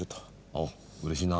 あっうれしいな。